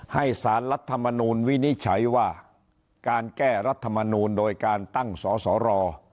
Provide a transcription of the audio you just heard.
ให้สารรัฐธรรมนูญวินิจฉัยว่าการแก้รัฐธรรมนูญโดยการตั้งสอสอรอ